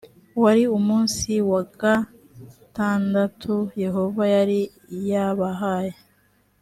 wari umunsi wa gatandatu yehova yari yabahaye.